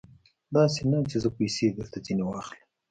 داسې نه چې زه پیسې بېرته ځنې واخلم.